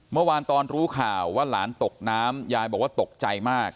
เมื่อวานตอนรู้ข่าวว่าหลานตกน้ำยายบอกว่าตกใจมาก